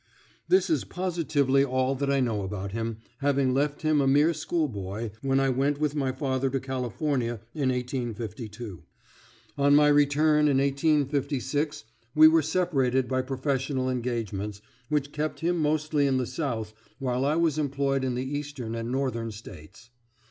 This is positively all that I know about him, having left him a mere school boy, when I went with my father to California in 1852. On my return in 1856 we were separated by professional engagements, which kept him mostly in the South while I was employed in the Eastern and Northern states.